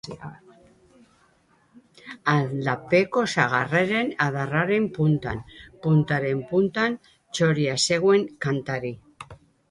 Aldapeko sagarraren adarraren puntan, puntaren puntan, txoria zegoen kantari.